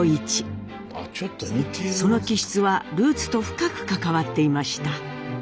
その気質はルーツと深く関わっていました。